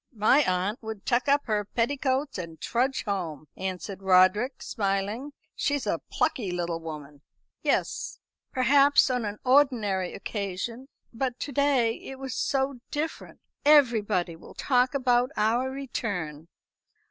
"My aunt would tuck up her petticoats and trudge home," answered Roderick, smiling. "She's a plucky little woman." "Yes, perhaps on an ordinary occasion. But to day it was so different. Everybody will talk about our return."